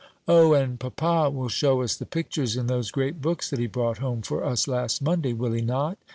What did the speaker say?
"O, and papa will show us the pictures in those great books that he brought home for us last Monday, will he not?"